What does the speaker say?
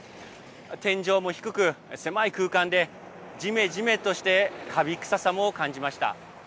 天井も低く、狭い空間でじめじめとしてかび臭さも感じました。